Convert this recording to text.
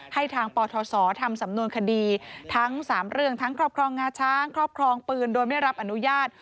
ให้ทางปทศทำสำนวนคดีทั้ง๓เรื่องทั้งครอบครองงาช้างครอบครองปืนโดยไม่รับอนุญาต